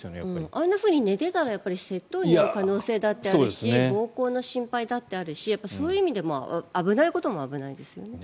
あんなふうに寝ていたら窃盗に遭う可能性だってあるし暴行の心配だったあるし危ないことも危ないですよね。